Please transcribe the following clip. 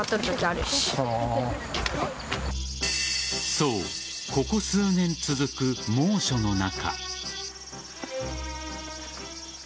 そう、ここ数年続く猛暑の中。